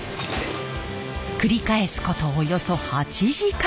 繰り返すことおよそ８時間。